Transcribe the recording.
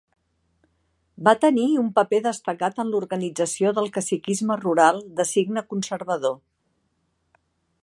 Va tenir un paper destacat en l'organització del caciquisme rural de signe conservador.